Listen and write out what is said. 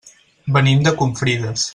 Venim de Confrides.